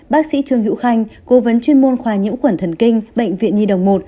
bác sĩ trương hữu khanh cố vấn chuyên môn khoa nhiễu quẩn thần kinh bệnh viện nhi đồng một